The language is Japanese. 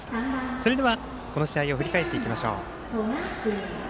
それではこの試合を振り返っていきましょう。